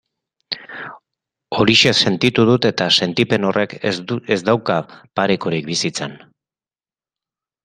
Horixe sentitu dut, eta sentipen horrek ez dauka parekorik bizitzan.